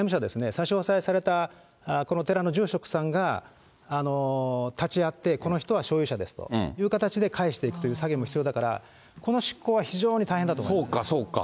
差し押さえられたこの寺の住職さんが立ち会って、この人は所有者ですという形で返していくという作業も必要だから、この執行は非そうか、そうか。